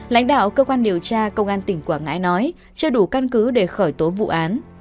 lãnh đạo cơ quan điều tra công an tỉnh quảng ngãi nói chưa đủ căn cứ để khởi tố vụ án